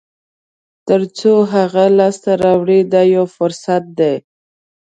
تر څو هغه لاسته راوړئ دا یو فرصت دی.